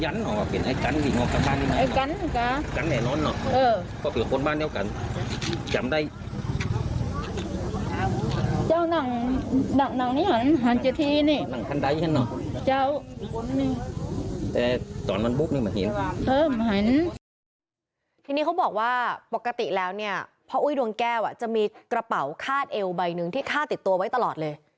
ทีนี้เขาบอกว่าปกติแล้วเนี่ยพ่ออุ้ยดวงแก้วจะมีกระเป๋าคาดเอวใบหนึ่งที่ฆ่าติดตัวไว้ตลอดเลย